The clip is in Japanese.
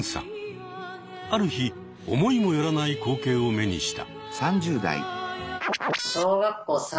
ある日思いもよらない光景を目にした。